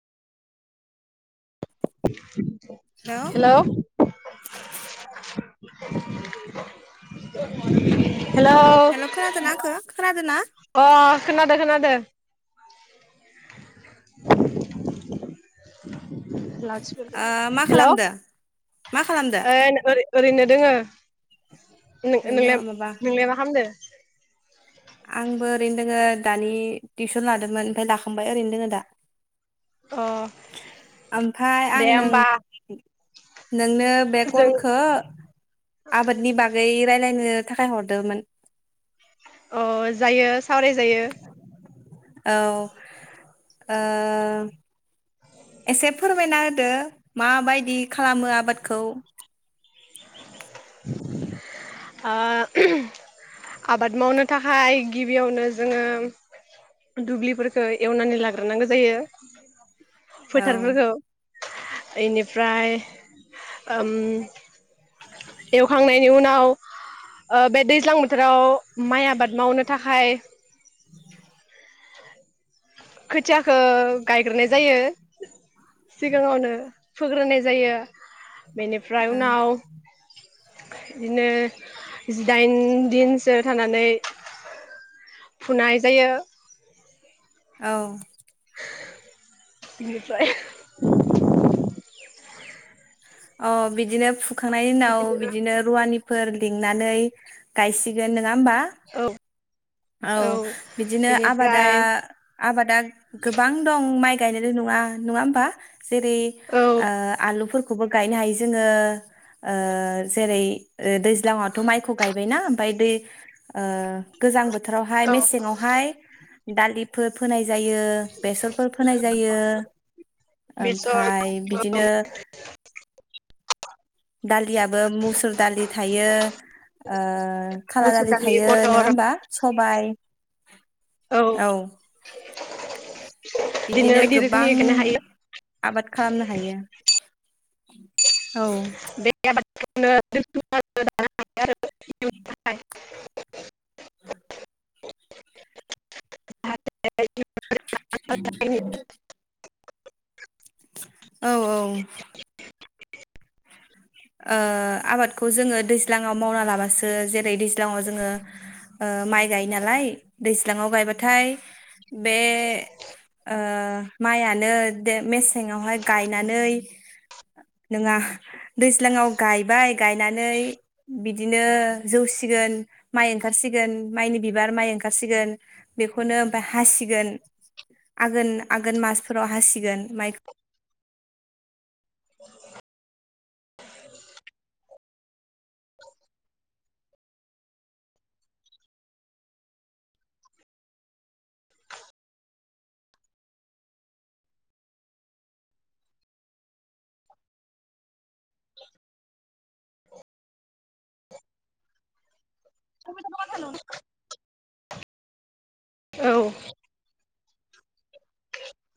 Hello hello hello खोनादोंना आंखो खोनादोंना अ खोनादो खोनादों । ओ लाख ओ मा हेल ओ खालामदो मा खालामदो ओरैनो दोङो। नों ओरैनो नोंला दङ माबा नोंलाय मा खालामदो। आंबो ओरैनो दोङो दानि टिउसन लादोंमोन ओमफ्राय लाखांबाय ओरैनो दोङो दा। अ ओमफ्राय आं दे नों होमबा। नोंनो बे जों कलखौ आबादनि बागै रायलायनो नो थाखाय हरदोमोन। अ जायो सावराय जायो। औ आ एसे फोरमायना होदो माबायदि खालामो आबादखौ? ओ आबाद मावनो थाखाय गिबियावनो जोङो दुब्लिफोरखौ एवनानै लाग्रोनांगौ जायो। औ फोथारफोरखौ इनिफ्राय ओम एवखांनायनि उनाव ओ बे दैज्लां बोथोराव माइ आबाद मावनो थाखाय खोथियाखो गायग्रोनाय जायो सिगाङावनो फोग्रोनाय जायो। बेनिफ्राय औ उनाव बिदिनो जिदाइन दिनसो थानानै फुनाय जायो। औ बिनिफ्राय अ बिदिनो फु फुखांनायनि दिनाव बिदिनो रुवानि फोर लिंनानै गायसिगोन। नङा होमबा औ औ बिदिनो आबादा बेनिफ्राय आबादा गोबां दं माइ गायनायल नङा नङा होमबा जेरै औ ओ आलुफोर खौबो गायनो हायो जोङो ओ जेरै ओ दैज्लां दैज्लाङावथ' माइखौ गायबायना ओमफाय दै ओ गोजां बोथोर बोथोरावहाय औ मेसेङावहाय दालिप फोर फोनाय जायो बेसरफोर फोनाय जायो बेसर ओमफाय बिदिनो औ दालियाबो मुसुर दालि थायो ओ खाला मुसुर दालि थायो नोङा मटर होमबा सबाइ [unintelligible] औ [unintelligible] बिदिनो बायदि गोबां रोखोमनि गायनो हायो आबाद खालामनो हायो। [inaudible] औ [unintelligible] [unintelligible] औ औ ओ आबादखौ जोङो दैज्लाङाव मावना लाबासो जेरै दैज्लाङाव जोङो ओ माइ गायो नालाय दैज्लाङाव गायबाथाय बे ओ माइआनो दे मेसेंआवहाय गायनानै नोङा। दैज्लाङाव गायबाय गायनानै बिदिनो जौसिगोन माइ ओंखारसिगोन माइनि बिबार माइ ओंखारसिगोन बेखौनो ओमफाय हासिगोन आगोन आगोन मासफोराव हासिगोन माइखौ। [inaudible] [inaudible] [unintelligible] औ